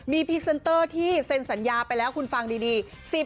มีพรีเซนเตอร์ที่เซ็นสัญญาไปแล้วคุณฟังดี